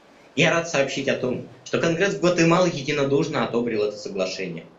Я рад сообщить о том, что Конгресс Гватемалы единодушно одобрил это Соглашение.